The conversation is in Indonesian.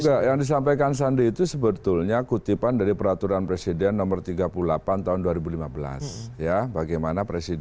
enggak yang disampaikan sandi itu sebetulnya kutipan dari peraturan presiden nomor tiga puluh